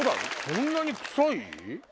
そんなに臭い？